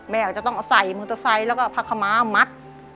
แม่ก็จะต้องใส่มือใส่แล้วก็พักขมามัด